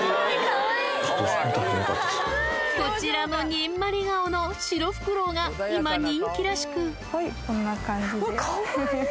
こちらのニンマリ顔のシロフクロウが今人気らしくこんな感じです。